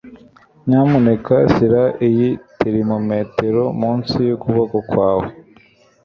Nyamuneka shyira iyi termometero munsi yukuboko kwawe.